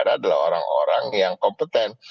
karena kita adalah orang orang yang kompeten